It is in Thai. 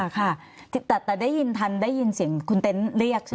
ค่ะแต่ได้ยินทันได้ยินเสียงคุณเต็นต์เรียกใช่ไหม